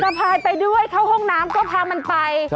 พายไปด้วยเข้าห้องน้ำก็พามันไป